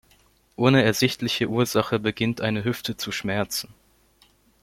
Ohne ersichtliche Ursache beginnt eine Hüfte zu schmerzen.